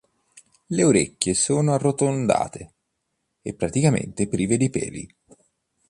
Le orecchie sono arrotondate e praticamente prive di peli.